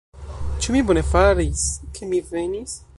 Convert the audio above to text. Ĉu mi bone faris, ke mi venis?